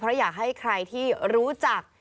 เพราะอยากให้ใครที่รู้จัก